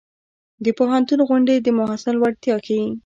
د پوهنتون غونډې د محصل وړتیا ښيي.